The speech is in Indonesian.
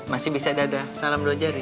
masih bisa dada salam dua jari